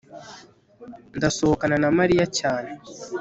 ndasohokana na mariya cyane